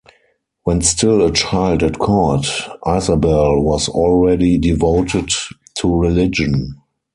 When still a child at court, Isabelle was already devoted to religion.